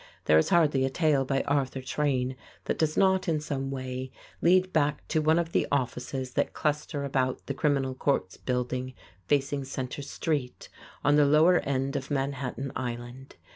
There is hardly a tale by Arthur Train that does not, in some way, lead back to one of the offices that cluster about the Criminal Courts Building facing Centre Street, on the lower end of Manhattan Island.